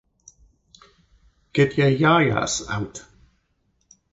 Get Yer Ya-Ya’s Out!